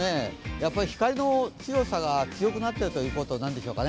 やっぱり光の強さが強くなっているということでしょうか。